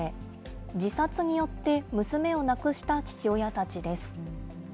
自殺によって娘を亡くした父親たちです。